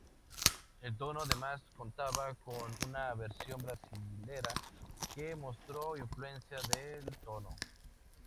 El tono, además contaba con una versión brasilera que mostro la influencia del tono.